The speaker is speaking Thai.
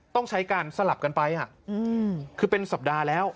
ต้องใช้การสลับกันไปคือเป็นสัปดาห์แล้ว